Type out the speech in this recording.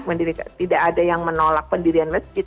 orang tua tidak ada yang menolak pendirian masjid